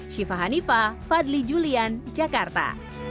syifa hanifah fadli julian jakarta